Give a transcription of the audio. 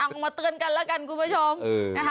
เอางงนะมาเตือนกันแล้วกันคุณผู้ชม